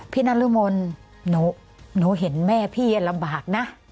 พี่นั้นลูกมนต์หนูเห็นแม่พี่รำบากนะ